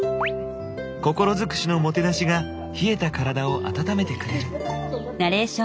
心尽くしのもてなしが冷えた体を温めてくれる。